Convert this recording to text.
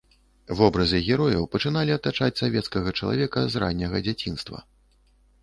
Вобразы герояў пачыналі атачаць савецкага чалавека з ранняга дзяцінства.